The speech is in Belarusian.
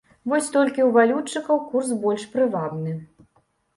Вось толькі ў валютчыкаў курс больш прывабны.